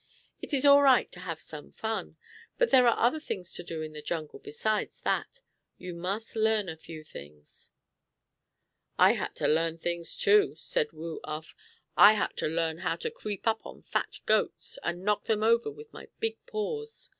"It is all right to have some fun, but there are other things to do in the jungle besides that. You must learn a few things." "I had to learn things too," said Woo Uff. "I had to learn how to creep up on fat goats, and knock them over with my big paws.